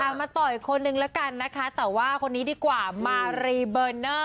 มาต่ออีกคนนึงแล้วกันนะคะแต่ว่าคนนี้ดีกว่ามารีเบอร์เนอร์